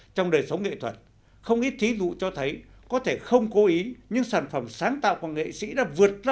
trong đời sống nghệ thuật không ít thí dụ cho thấy có thể không cố ý nhưng sản phẩm sáng tạo của nghệ sĩ đã vượt lên